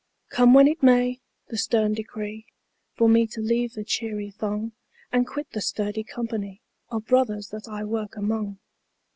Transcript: Come when it may, the stern decree For me to leave the cheery throng And quit the sturdy company Of brothers that I work among.